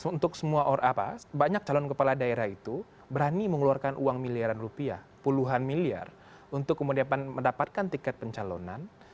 untuk semua orang banyak calon kepala daerah itu berani mengeluarkan uang miliaran rupiah puluhan miliar untuk kemudian mendapatkan tiket pencalonan